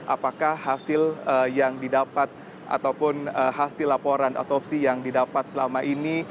apakah hasil yang didapat ataupun hasil laporan otopsi yang didapat selama ini